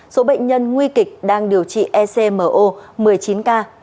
số bệnh nhân nguy kịch đang điều trị ecmo một mươi chín ca